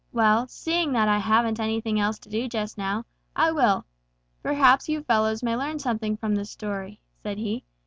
"Well, seeing that I haven't anything else to do just now, I will. Perhaps you fellows may learn something from the story," said he.